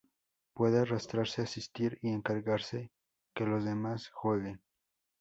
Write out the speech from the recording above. Puede arrastrar, asistir y encargarse que los demás jueguen.